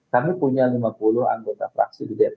kami punya lima puluh anggota fraksiansonan dpr ri